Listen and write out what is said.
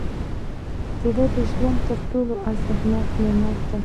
زړه د ژوند تر ټولو ارزښتناک نعمت دی.